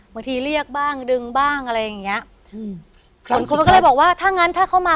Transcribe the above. บางทีเรียกบ้างดึงบ้างอะไรอย่างเงี้ยอืมคนมันก็เลยบอกว่าถ้างั้นถ้าเข้ามา